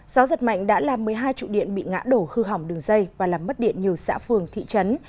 gió giật mạnh đã làm một mươi hai trụ điện bị ngã đổ hư hỏng đường dây và làm mất điện nhiều xã phường thị trấn